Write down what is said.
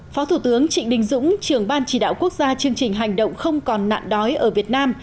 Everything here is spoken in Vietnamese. phó thủ tướng trịnh đình dũng trưởng ban chỉ đạo quốc gia chương trình hành động không còn nạn đói ở việt nam